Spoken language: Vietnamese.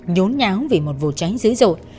nhốn nháo vì một vụ cháy dữ dội